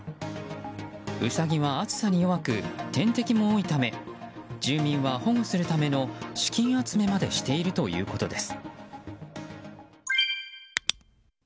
ウサギは暑さに弱く天敵も多いため住民は保護するための資金集めまでしているということです。